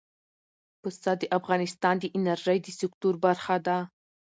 پسه د افغانستان د انرژۍ د سکتور برخه ده.